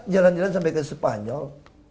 jalan jalan sampai ke spanyol